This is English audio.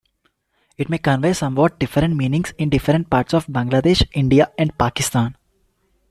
It may convey somewhat different meanings in different parts of Bangladesh, India and Pakistan.